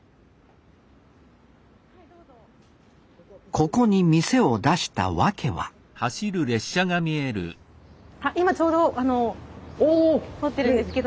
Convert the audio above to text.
ここに店を出したわけはあっ今ちょうど通ってるんですけども。